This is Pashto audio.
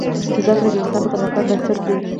زده کړه د انسان د پرمختګ بنسټ دی.